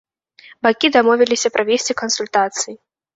Бакі дамовіліся правесці кансультацыі.